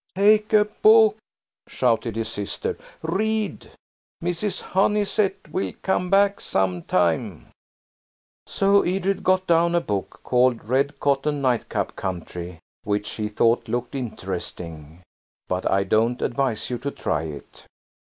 "Take a book!" shouted his sister. "Read! Mrs. Honeysett–will–come–back–some–time." So Edred got down a book called "Red Cotton Nightcap Country," which he thought looked interesting; but I don't advise you to try it.